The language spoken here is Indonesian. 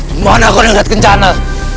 dimana kau ingrat kencana